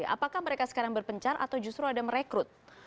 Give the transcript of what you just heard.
apakah mereka sekarang berpencar atau justru ada merekrut